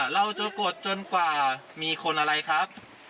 เราจะกดจนกว่ามีคนอะไรครับ